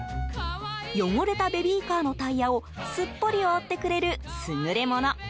汚れたベビーカーのタイヤをすっぽり覆ってくれる優れもの。